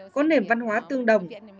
có nền văn hóa tương đồng